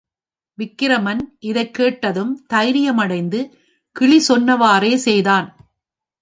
விக்கிரமன் இதைக் கேட்டதும் தைரியமடைந்து கிளி சொன்னவாறே செய்தான்.